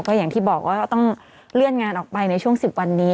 ก็อย่างที่บอกว่าต้องเลื่อนงานออกไปในช่วง๑๐วันนี้